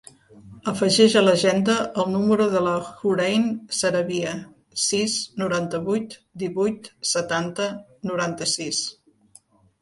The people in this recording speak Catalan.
Afegeix a l'agenda el número de la Hoorain Saravia: sis, noranta-vuit, divuit, setanta, noranta-sis.